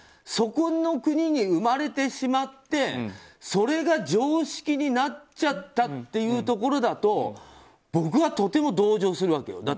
そこの国に生まれてしまってそれが常識になっちゃったというところだと僕はとても同情するわけよ。